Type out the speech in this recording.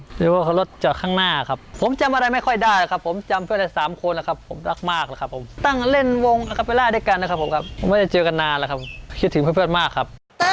หรือว่ารถจอดข้างหน้าครับผมจำอะไรไม่ค่อยได้ครับผมจำเพื่อนได้สามคนแล้วครับผมรักมากแล้วครับผมตั้งเล่นวงอาคาเบล่าด้วยกันนะครับผมครับผมไม่ได้เจอกันนานแล้วครับคิดถึงเพื่อนมากครับ